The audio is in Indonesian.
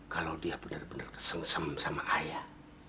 kalau dia benar benar kesengsem sama ayah